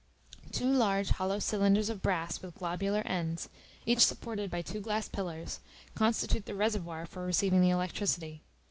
Two large hollow cylinders of brass with globular ends, each supported by two glass pillars, constitute the reservoir for receiving the electricity.